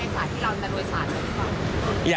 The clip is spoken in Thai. ค่ะแล้วอยากเห็นรถมีนี้ในสารที่เราแต่โดยสารหรือเปล่า